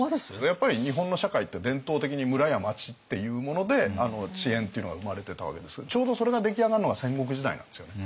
やっぱり日本の社会って伝統的に村や町っていうもので地縁っていうのが生まれてたわけですけどちょうどそれが出来上がるのが戦国時代なんですよね。